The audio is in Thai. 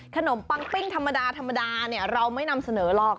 ขนมปังปิ้งธรรมดาเราไม่นำเสนอหรอก